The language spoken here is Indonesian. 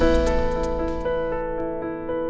aku baik kok